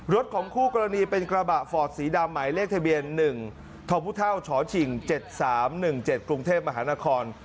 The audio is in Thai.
รถของคู่กรณีเป็นกระบะฟอร์ดสีดำหมายเลขทะเบียน๑ทพช๗๓๑๗กรุงเทพมหานคร